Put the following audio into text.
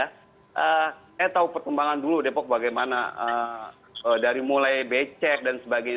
saya tahu perkembangan dulu depok bagaimana dari mulai becek dan sebagainya